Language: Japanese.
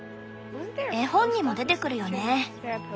絵本にも出てくるよね？